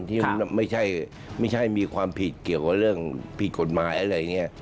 ที่มันไม่ใช่มีความผิดเกี่ยวกับเรื่องผิดกฎหมายอะไรอย่างนี้